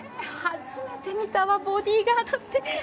初めて見たわボディーガードって。